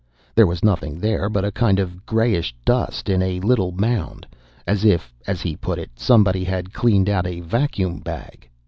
There was nothing there but a kind of grayish dust in a little mound as if, as he put it, 'somebody had cleaned out a vacuum bag'.